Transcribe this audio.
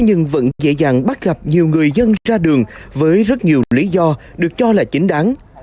nhưng vẫn dễ dàng bắt gặp nhiều người dân ra đường với rất nhiều lý do được cho là chính đáng